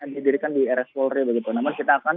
didirikan di rs polri begitu namun kita akan